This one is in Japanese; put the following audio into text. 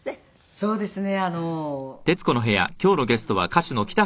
そうですね。